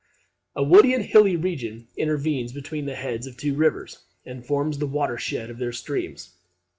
A woody and hilly region intervenes between the heads of the two rivers, and forms the water shed of their streams.